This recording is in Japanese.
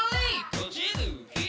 閉じる左！